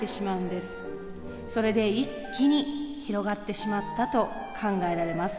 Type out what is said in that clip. それで一気に広がってしまったと考えられます。